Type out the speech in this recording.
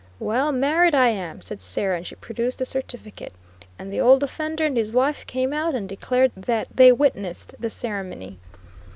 Well married I am, said Sarah, and she produced the certificate, and the Old Offender and his wife came out and declared that they witnessed the ceremony.